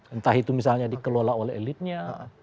entah itu misalnya dikelola oleh elitnya